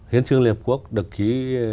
hiến trương liên hợp quốc được ký